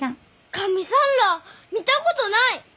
神さんらあ見たことない！